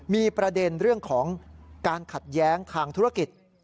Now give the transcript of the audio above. มีประเด็นเรื่องของการขัดแย้งทางธุรกิจ